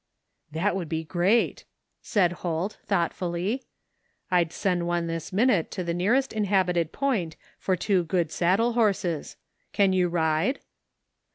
"That would be great," said Holt, thoughtfully, " I'd send one this minute to the nearest inhabited point for two good saddle horses. Can you ride?